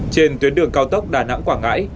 trên tuyến đường cao tốc đà nẵng quảng ngãi